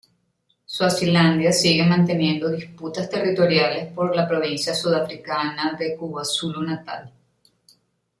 Suazilandia sigue manteniendo disputas territoriales por la provincia sudafricana de KwaZulu-Natal.